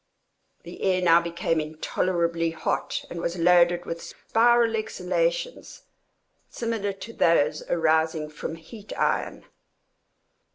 The air now became intolerably hot, and was loaded with spiral exhalations similar to those arising from heat iron.